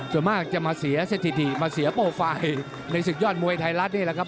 ส่วนมากจะมาเสียสถิติมาเสียโปรไฟล์ในศึกยอดมวยไทยรัฐนี่แหละครับ